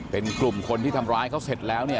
เป็นกลุ่มคนที่ทำร้ายเขาเสร็จแล้วเนี่ย